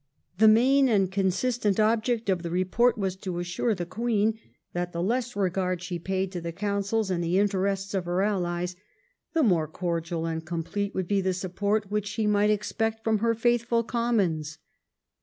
The main and consistent object of the report was to assure the Queen that the less regard she paid to the counsels and the interests of her allies the more cordial and complete would be the support which she might expect from her faithful Commons.